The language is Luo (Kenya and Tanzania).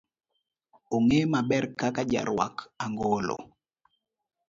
Ong'eye maber kaka jaruak angolo.